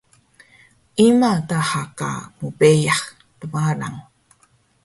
Ima daha ka mbeyax tmalang?